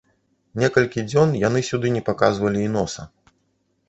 Некалькі дзён яны сюды не паказвалі і носа.